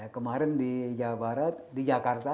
kemarin di jawa barat di jakarta